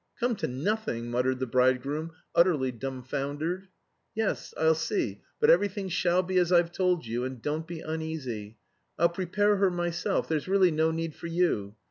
"Come to nothing!" muttered the bridegroom, utterly dumbfoundered. "Yes. I'll see.... But everything shall be as I've told you, and don't be uneasy. I'll prepare her myself. There's really no need for you.